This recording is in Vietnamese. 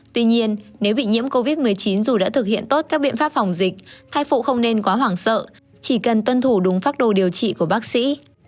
tuy nhiên nếu bị nhiễm covid một mươi chín dù đã thực hiện tốt các biện pháp phòng dịch thai phụ không nên quá hoảng sợ chỉ cần tuân thủ đúng pháp đồ điều trị của bác sĩ